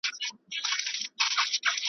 سړي سمدستي تعویذ ورته انشاء کړ .